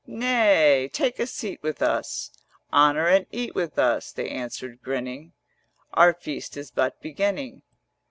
'Nay, take a seat with us, Honour and eat with us,' They answered grinning: 370 'Our feast is but beginning.